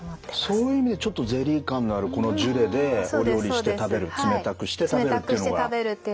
そういう意味でちょっとゼリー感のあるこのジュレでお料理して食べる冷たくして食べるっていうのが効果的だと。